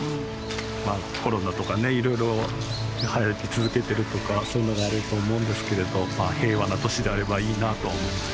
まあコロナとかねいろいろはやり続けてるとかそういうのがあると思うんですけれど平和な年であればいいなとは思います。